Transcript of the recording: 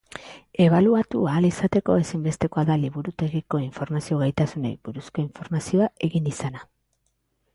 Ebaluatu ahal izateko, ezinbestekoa da liburutegiko informazio-gaitasunei buruzko ikastaroa egin izana.